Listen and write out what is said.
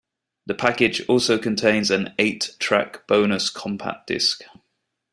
The package also contains an eight track bonus compact disc.